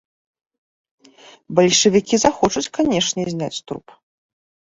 Бальшавікі захочуць, канешне, зняць труп.